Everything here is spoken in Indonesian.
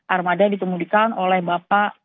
armada dikemudikan oleh bapak